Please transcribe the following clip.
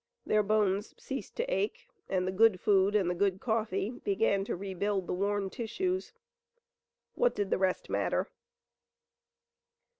Their bones ceased to ache, and the good food and the good coffee began to rebuild the worn tissues. What did the rest matter?